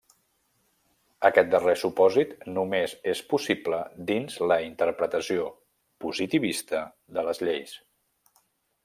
Aquest darrer supòsit només és possible dins la interpretació positivista de les lleis.